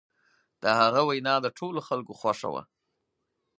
د هغه وینا د ټولو خلکو خوښه وه.